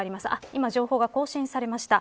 今、情報が更新されました。